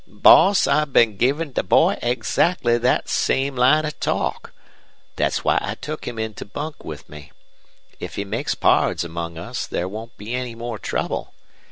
"Boss, I've been givin' the boy egzactly thet same line of talk. Thet's why I took him in to bunk with me. If he makes pards among us there won't be any more trouble.